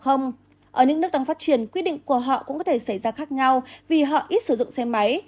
ở những nước đang phát triển quy định của họ cũng có thể xảy ra khác nhau vì họ ít sử dụng xe máy